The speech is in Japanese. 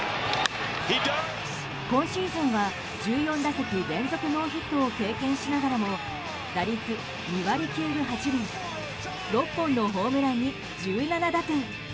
今シーズンは１４打席連続ノーヒットを経験しながらも打率２割９分８厘６本のホームランに１７打点。